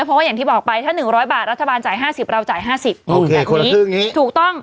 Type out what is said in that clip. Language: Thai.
เพราะว่าอย่างที่บอกไปถ้า๑๐๐บาทรัฐบาลจ่าย๕๐บาทเราจ่าย๕๐บาท